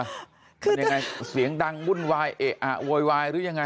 เป็นยังไงเสียงดังวุ่นวายเอะอะโวยวายหรือยังไง